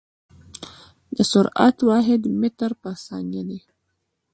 د سرعت واحد متر پر ثانيه ده.